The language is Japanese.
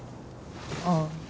ああ。